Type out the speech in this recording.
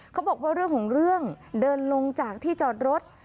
เขาบอกว่าเรื่องของเรื่องเดินลงจากที่จอดรถ